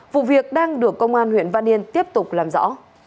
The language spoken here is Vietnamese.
vụ việc đang được công an huyện văn yên tiếp tục làm rõ